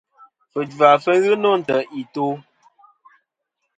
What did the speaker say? Fujva fɨ ghɨ nô ntè' i to'.